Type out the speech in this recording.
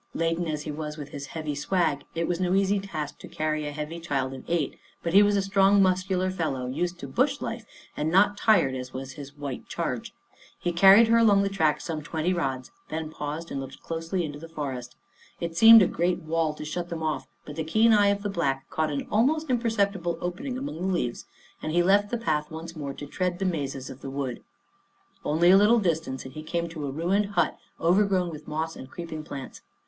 Laden as he was with his heavy swag, it was no easy task to carry a heavy child of eight, but he was a strong, muscular fellow, used to Bush life, and not tired as was his white charge. He carried her along the track some twenty rods, then paused and looked closely into the forest. It seemed a great wall to shut them off, but the keen eye of the Black caught an almost imperceptible opening amongst the leaves and he left the path once more to tread the mazes 88 Our Little Australian Cousin of the wood. Only a little distance and he came to a ruined hut overgrown with moss and creep ing plants.